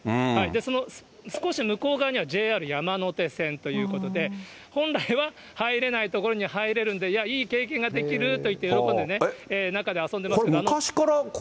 その少し向こう側にはＪＲ山手線ということで、本来は入れない所に入れるんで、いや、いい経験ができるといって喜んで、中で遊んでますけれども。